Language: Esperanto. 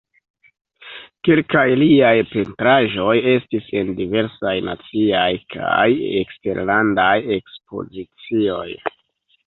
Kelkaj liaj pentraĵoj estis en diversaj naciaj kaj eksterlandaj ekspozicioj.